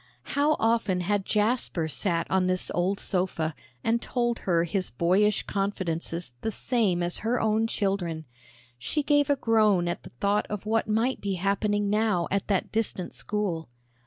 How often had Jasper sat on this old sofa and told her his boyish confidences the same as her own children! She gave a groan at the thought of what might be happening now at that distant school.